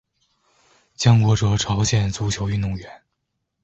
姜国哲朝鲜足球运动员。